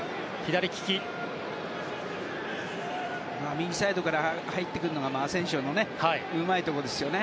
右サイドから入ってくるのが、アセンシオのうまいところですよね。